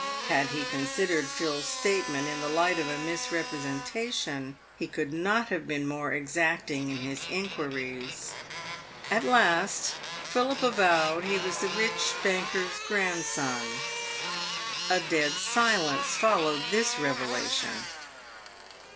Had he considered Phil's statement in the light of a misrepresentation he could not have been more exacting in his inquiries. At last Philip avowed he was the rich banker's grandson. A dead silence followed this revelation.